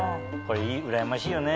うらやましいよね。